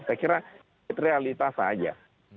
saya kira itu realitas saja